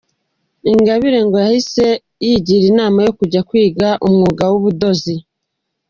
Ingabire ngo yahise yigira inama yo kujya kwiga umwuga w’ubudozi.